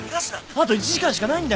あと１時間しかないんだよ！